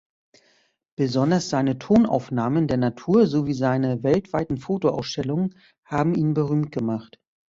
Besonders seine Tonaufnahmen der Natur sowie seine weltweiten Fotoausstellungen haben ihn berühmt gemacht.